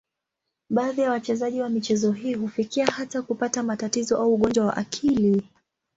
Baadhi ya wachezaji wa michezo hii hufikia hata kupata matatizo au ugonjwa wa akili.